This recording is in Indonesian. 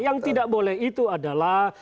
yang tidak boleh itu adalah